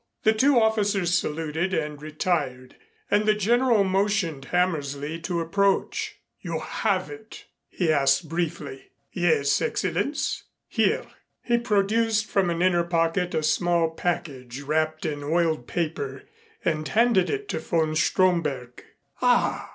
The two officers saluted and retired and the General motioned Hammersley to approach. "You have it?" he asked briefly. "Yes, Excellenz. Here." He produced from an inner pocket a small package wrapped in oiled paper and handed it to von Stromberg. "Ah!"